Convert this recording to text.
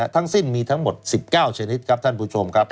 ทั้งสิ้นมีทั้งหมด๑๙ชนิดครับท่านผู้ชมครับ